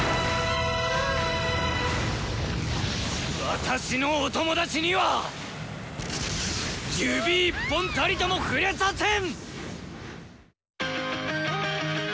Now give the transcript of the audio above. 私のおトモダチには指一本たりとも触れさせん！